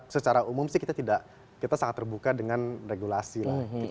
secara umum sih kita tidak kita sangat terbuka dengan regulasi lah